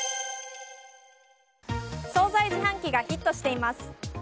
総菜自販機がヒットしています。